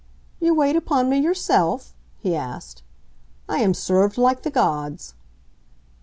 "You wait upon me yourself?" he asked. "I am served like the gods!"